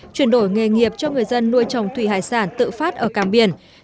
chuyển đổi nghề nghiệp cho người dân nuôi trồng thủy hải sản tự phát ở càng biển